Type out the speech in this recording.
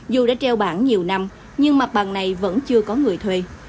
dù đã treo bản nhiều năm nhưng mặt bằng này vẫn chưa có người thuê